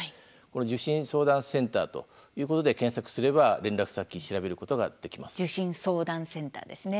受診・相談センターということで検索すれば受診・相談センターですね。